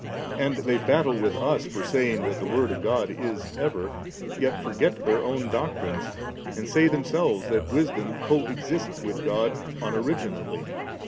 And they battle with us for saying that the Word of God b ever, yet forget their own doctrines, and say themselves that Wisdom coexists with God unoriginately^.